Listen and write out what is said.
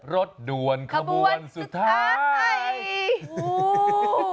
รถด่วนขบวนสุดท้าย